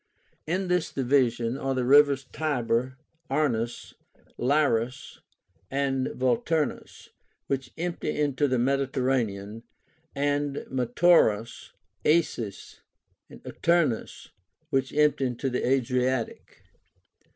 In this division are the rivers Tiber, Arnus, Liris, and Volturnus, which empty into the Mediterranean, and the Metaurus, Aesis, and Aternus, which empty into the Adriatic.